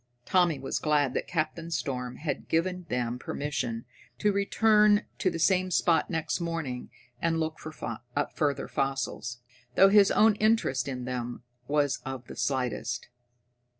Tommy was glad that Captain Storm had given them permission to return to the same spot next morning and look for further fossils, though his own interest in them was of the slightest.